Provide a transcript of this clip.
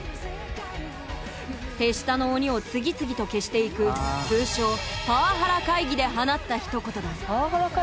手下の鬼を次々と消していく通称「パワハラ会議」で放ったひと言だ